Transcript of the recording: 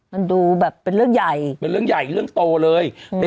มันดูแบบเป็นเรื่องใหญ่เป็นเรื่องใหญ่เรื่องโตเลยอืม